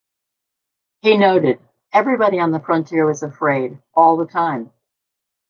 He noted: Everybody on the frontier was afraid, all the time.